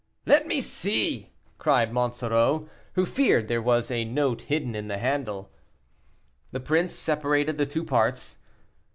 "Let me see," cried Monsoreau, who feared there was a note hidden in the handle. The prince separated the two parts.